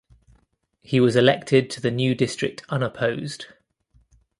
He was elected to the new district unopposed.